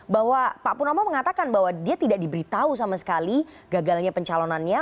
bahwa pak purnomo mengatakan bahwa dia tidak diberitahu sama sekali gagalnya pencalonannya